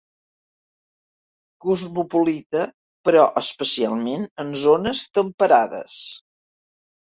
Cosmopolita però especialment en zones temperades.